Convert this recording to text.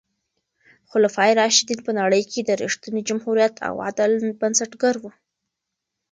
خلفای راشدین په نړۍ کې د رښتیني جمهوریت او عدل بنسټګر وو.